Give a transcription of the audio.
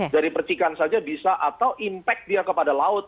dari percikan saja bisa atau impact dia kepada laut